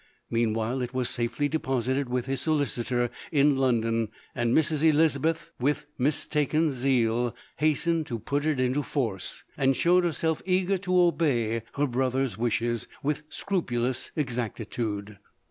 Meanwhile it was safelj deposited with his soli citor in London, and Mrs. Elizabeth, with mis taken zeal, hastened to put it into force, an showed herself eager to obey her brother's wishes with scrupulous exactitude.